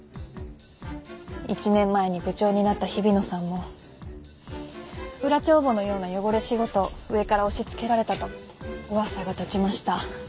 １年前に部長になった日比野さんも裏帳簿のような汚れ仕事を上から押しつけられたと噂が立ちました。